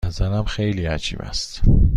به نظرم خیلی عجیب است.